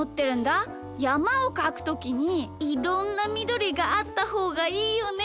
やまをかくときにいろんなみどりがあったほうがいいよね。